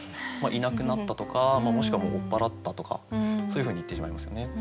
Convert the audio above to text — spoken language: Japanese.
いなくなったとかもしくは追っ払ったとかそういうふうに言ってしまいますよね。